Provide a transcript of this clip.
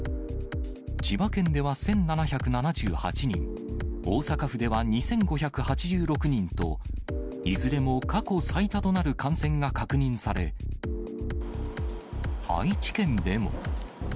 千葉県では１７７８人、大阪府では２５８６人と、いずれも過去最多となる感染が確認され、愛知県でも。